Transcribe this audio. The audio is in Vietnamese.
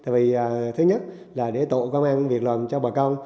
vì thứ nhất là để tạo công an việc làm cho bà con